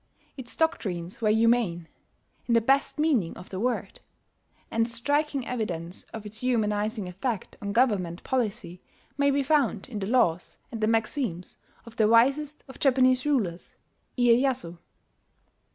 Its doctrines were humane, in the best meaning of the word; and striking evidence of its humanizing effect on government policy may be found in the laws and the maxims of that wisest of Japanese rulers Iyeyasu.